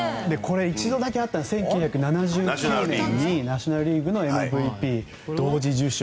一度だけあった１９７９年にナショナル・リーグのＭＶＰ同時受賞